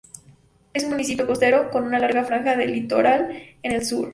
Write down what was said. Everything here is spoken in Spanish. Es un municipio costero, con una larga franja de litoral en el sur.